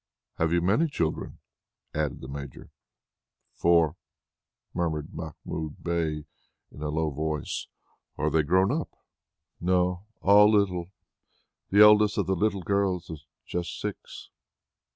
"Have you many children?" added the Major. "Four," murmured Mahmoud Bey in a low voice. "Are they grown up?" "No, all little. The eldest of the little girls is just six."